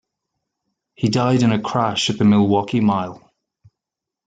He died in a crash at the Milwaukee Mile.